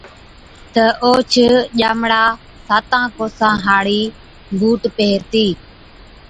تہ اوهچ ڄامڙا ساتان ڪوسان هاڙي بُوٽ پيهرتِي،